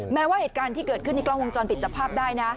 แม้ว่าเหตุการณ์ที่เกิดขึ้นในกล้องวงจรปิดจับภาพได้นะ